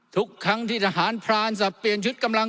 ทุกครั้งที่ทหารพรานสับเปลี่ยนชุดกำลัง